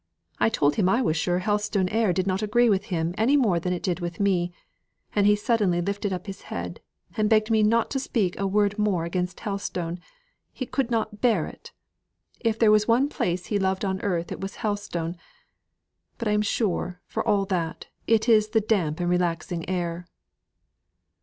I told him I was sure Helstone air did not agree with him any more than with me, and he suddenly lifted up his head, and begged me not to speak a word more against Helstone, he could not bear it; if there was one place he loved on earth it was Helstone. But I am sure, for all that, it is the damp and relaxing air."